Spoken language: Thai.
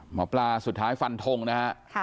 หมอปลาสุดท้ายฟันทงนะฮะ